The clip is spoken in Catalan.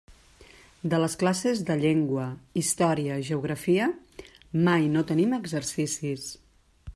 De les classes de llengua, història, geografia..., mai no tenim exercicis.